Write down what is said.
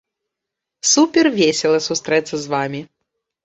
Супер весела сустрэцца з вамі!